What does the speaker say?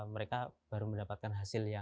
mereka baru mendapatkan hasilnya